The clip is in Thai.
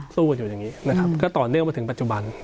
สู้กันอยู่อย่างนี้นะครับก็ต่อเนื่องมาถึงปัจจุบัน